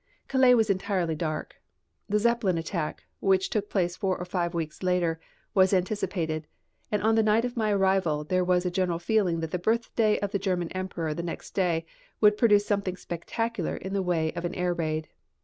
Calais was entirely dark. The Zeppelin attack, which took place four or five weeks later, was anticipated, and on the night of my arrival there was a general feeling that the birthday of the German Emperor the next day would produce something spectacular in the way of an air raid.